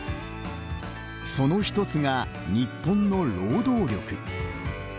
その１つが、日本の「労働力」。